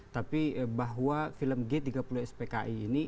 tapi bahwa film g tiga puluh s pki ini